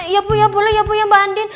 ya iya boleh mbak andin